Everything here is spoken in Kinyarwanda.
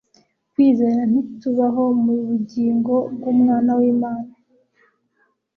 kwizera nitubaho mu bugingo bw'Umwana w'Imana,